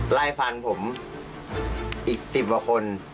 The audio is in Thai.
ไล่ฟันผมอีก๑๐กว่าคน